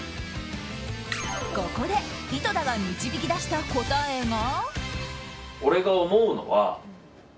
ここで井戸田が導き出した答えが。